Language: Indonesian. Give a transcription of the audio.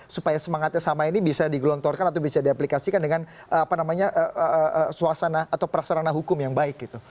supaya semangatnya sama ini bisa digelontorkan atau bisa diaplikasikan dengan perasaan hukum yang baik